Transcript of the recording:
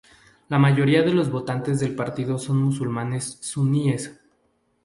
La mayoría de los votantes del partido son musulmanes suníes.